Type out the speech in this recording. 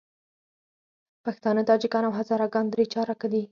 پښتانه، تاجکان او هزاره ګان درې چارکه وو.